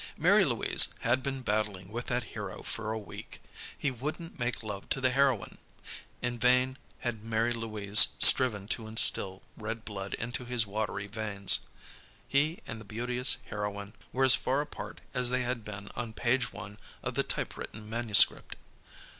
Mary Louise had been battling with that hero for a week. He wouldn't make love to the heroine. In vain had Mary Louise striven to instill red blood into his watery veins. He and the beauteous heroine were as far apart as they had been on Page One of the typewritten manuscript.